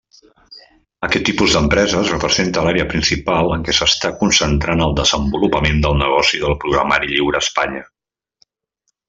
Aquest tipus d'empreses representa l'àrea principal en què s'està concentrant el desenvolupament del negoci del programari lliure a Espanya.